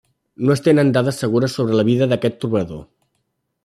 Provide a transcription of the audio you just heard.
No es tenen dades segures sobre la vida d'aquest trobador.